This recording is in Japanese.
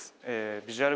ビジュアル